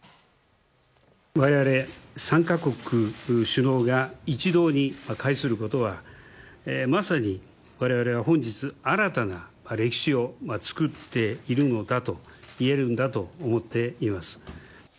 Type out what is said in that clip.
我々３か国首脳が一堂に会することはまさに我々が本日新たな歴史を作っているのだといえるんだと思っています。